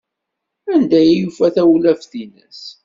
Anda ay yufa tawlaft-nnes?